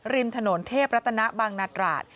ริมถนนเทพรัตนบังนาตราด